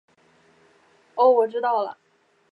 宽裂北乌头为毛茛科乌头属下的一个变种。